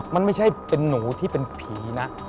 มันไม่ใช่เป็นหนูที่เป็นผีนะ